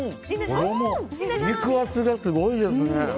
肉厚ですごいですね！